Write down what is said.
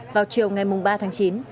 vào chiều ngày ba tháng chín